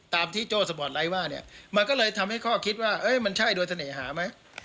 ตามที่โจ้สปอร์ตไลท์ว่าเนี่ยมันก็เลยทำให้ข้อคิดว่ามันใช่โดยเสน่หาไหม